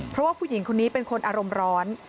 เพราะว่าผู้หญิงคนนี้เป็นคนอารมณ์ร้อน